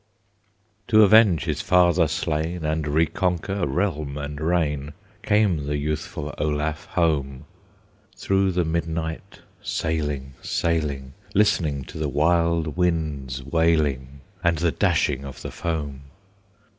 To avenge his father slain, And reconquer realm and reign, Came the youthful Olaf home, Through the midnight sailing, sailing, Listening to the wild wind's wailing, And the dashing of the foam.